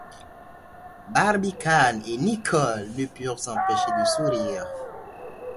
Barbicane et Nicholl ne purent s’empêcher de sourire.